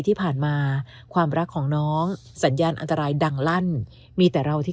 ที่ผ่านมาความรักของน้องสัญญาณอันตรายดังลั่นมีแต่เราที่